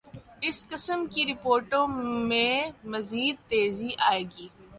اس قسم کی رپورٹوں میںمزید تیزی آئے گی۔